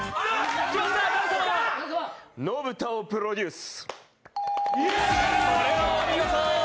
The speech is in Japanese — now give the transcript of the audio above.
「野ブタをプロデュース」。